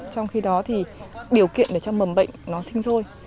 trong khi đó thì điều kiện để cho mầm bệnh nó sinh sôi